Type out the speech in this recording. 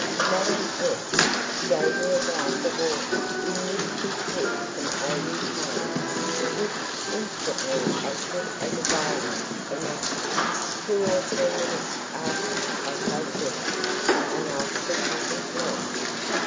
Madame F gave me a glass of water in which she put some Eau des carmes which instantly acted as a violent emetic. Two or three minutes after I felt better, and asked for something to eat.